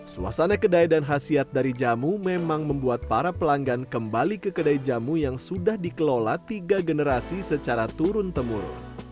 suasana kedai dan khasiat dari jamu memang membuat para pelanggan kembali ke kedai jamu yang sudah dikelola tiga generasi secara turun temurun